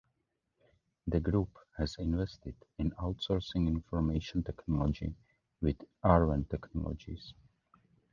The group has invested in outsourcing information technology with "Arwen Technologies".